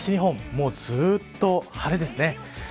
もうずっと晴れですね。